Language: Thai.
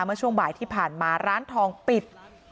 เมื่อช่วงบ่ายที่ผ่านมาร้านทองปิด